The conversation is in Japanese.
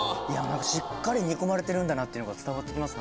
しっかり煮込まれてるんだなっていうのが伝わって来ます。